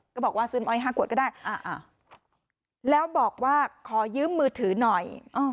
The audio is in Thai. ก็บอกว่าซื้อน้ำอ้อยห้าขวดก็ได้อ่าอ่าแล้วบอกว่าขอยืมมือถือหน่อยอ้อ